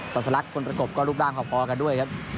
ศาสลักคนประกบก็รูปร่างพอกันด้วยครับ